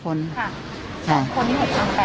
๒คนที่๖๘๐๐บาท